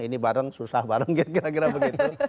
ini bareng susah bareng kira kira begitu